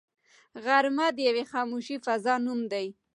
غرمه د یوې خاموشې فضا نوم دی